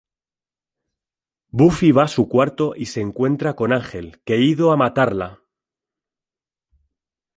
Buffy va a su cuarto y se encuentra con Ángel, que ido a matarla.